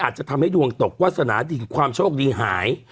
อาจจะทำให้ดวงตกวาสนาดีความโชคดีหาย